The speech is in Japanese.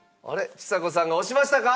ちさ子さんが押しましたか？